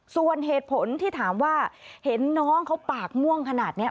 ส่วนเหตุผลที่ถามว่าเห็นน้องเขาปากม่วงขนาดนี้